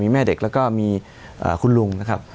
แม่เด็กแล้วก็มีคุณลุงนะครับ